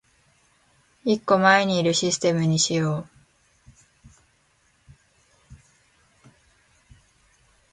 一個前にいるシステムにしよう